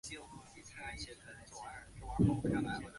本名为赤坂顺子。